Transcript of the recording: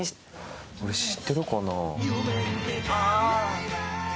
知ってるかな？